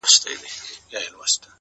ښکلا د دې؛ زما ـ